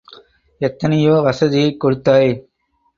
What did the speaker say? எத்தனையோ வசதியைக் கொடுத்தாய்!